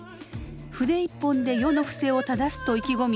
筆一本で世の不正をただすと意気込み